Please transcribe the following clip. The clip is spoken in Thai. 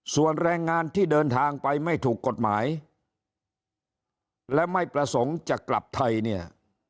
ส่วนแรงงานที่เดินทางไปไม่ถูกกฎหมายและไม่ประสงค์จะกลับไทยเนี่ย